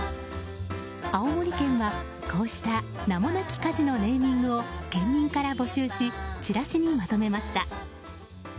青森県は、こうした名もなき家事のネーミングを県民から募集しチラシにまとめました。